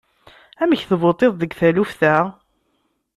Amek tvuṭiḍ deg taluft-a?